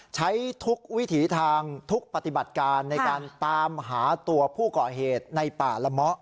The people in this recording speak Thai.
ใช้ทุกวิถีทางทุกปฏิบัติการในการตามหาตัวผู้ก่อเหตุในป่าละเมาะ